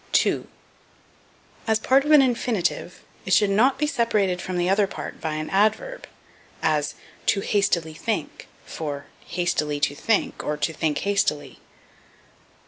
To. As part of an infinitive it should not be separated from the other part by an adverb, as, "to hastily think," for hastily to think, or, to think hastily.